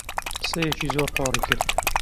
قسەیەکی زۆر قۆڕی کرد